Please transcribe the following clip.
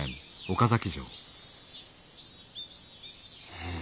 うん。